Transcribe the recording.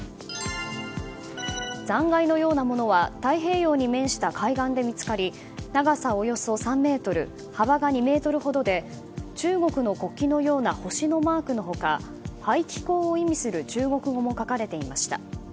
残骸のようなものは太平洋に面した海岸で見つかり長さおよそ３ｍ、幅が２ｍほどで中国の国旗のような星のマークの他排気口を意味する中国語も書かれていました。